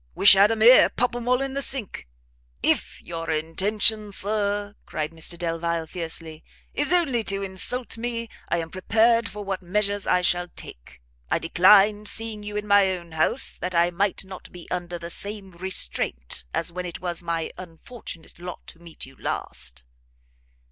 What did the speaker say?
wish had 'em here! pop 'em all in the sink!" "If your intention, Sir," cried Mr Delvile, fiercely, "is only to insult me, I am prepared for what measures I shall take. I declined seeing you in my own house, that I might not be under the same restraint as when it was my unfortunate lot to meet you last."